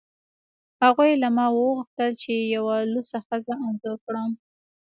هغوی له ما وغوښتل چې یوه لوڅه ښځه انځور کړم